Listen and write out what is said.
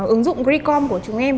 ứng dụng gricom của chúng em